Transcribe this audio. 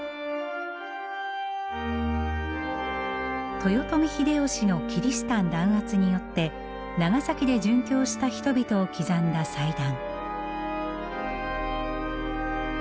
豊臣秀吉のキリシタン弾圧によって長崎で殉教した人々を刻んだ祭壇。